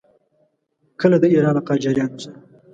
کله د ایران له قاجاریانو سره.